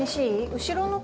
後ろの方？